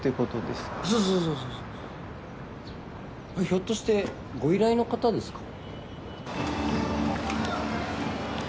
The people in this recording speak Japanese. ひょっとしてご依頼の方ですか？